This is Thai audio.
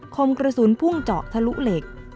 คมกระสุนพุ่งเจาะทะลุเหล็ก